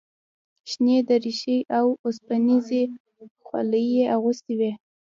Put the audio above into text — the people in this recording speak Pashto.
شنې دریشۍ او اوسپنیزې خولۍ یې اغوستې وې.